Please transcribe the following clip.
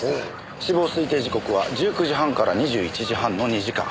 死亡推定時刻は１９時半から２１時半の２時間。